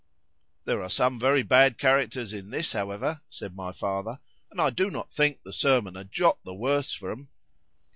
—There are some very bad characters in this, however, said my father, and I do not think the sermon a jot the worse for 'em.